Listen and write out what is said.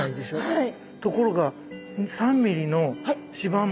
はい。